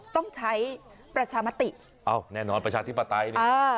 ต้องใช้ประชามติเอ้าแน่นอนประชาธิปไตยเนี่ย